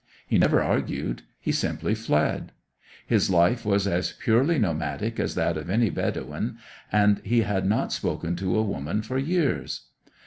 He never argued. He simply fled. His life was as purely nomadic as that of any Bedouin, and he had not spoken to a woman for years.